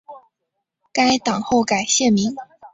该党后改现名。